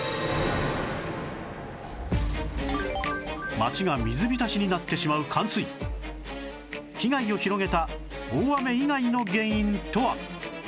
街が水浸しになってしまう冠水被害を広げた大雨以外の原因とは？